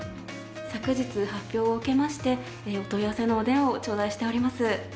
昨日発表を受けまして、お問い合わせのお電話を頂戴しております。